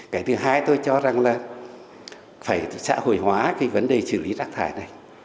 cái thứ hai tôi cho rằng là phải xã hội hóa cái vấn đề xử lý rác thải này